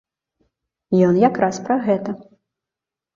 Ён якраз пра гэта.